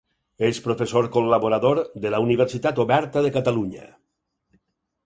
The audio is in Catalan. És professor col·laborador de la Universitat Oberta de Catalunya.